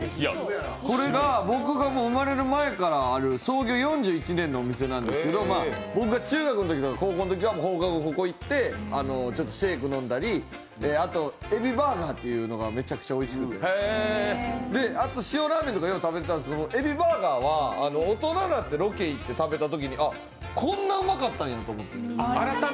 これが僕が生まれる前からある創業４１年のお店なんですけど僕が中学の時から高校のときは放課後にここに行ってシェーク飲んだり、あとエビバーガーっていうのがめちゃくちゃおいしくてシオラーメンとかよく食べてたんですけど、エビバーガーは大人になってロケ行って食べたときにこんなうまかったんやと。